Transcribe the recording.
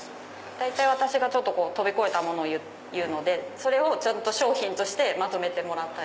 大体私が飛び越えた物を言うのでそれを商品としてまとめてもらったり。